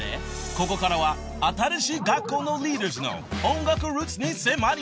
［ここからは新しい学校のリーダーズの音楽ルーツに迫ります］